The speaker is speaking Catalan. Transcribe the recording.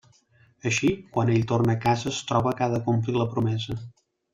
Així, quan ell torna a casa es troba que ha de complir la promesa.